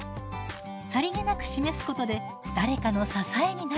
さりげなく示すことで誰かの支えになるかも。